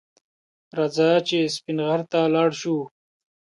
رځه چې سپین غر ته لاړ شو